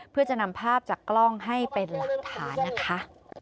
เพื่อจะนำภาพจากกล้องให้เป็นหลักฐานนะคะ